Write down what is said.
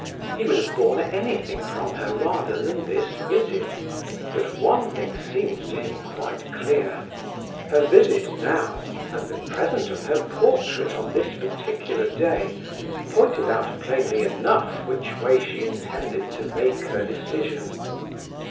He would have borne anything from her rather than this visit. But one thing seemed to him quite clear—her visit now, and the present of her portrait on this particular day, pointed out plainly enough which way she intended to make her decision!